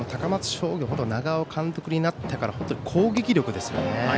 商業長尾監督になってから攻撃力ですよね。